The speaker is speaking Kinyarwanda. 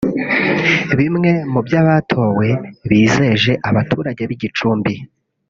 Bimwe mu byo abatowe bizeje abaturage b’i Gicumbi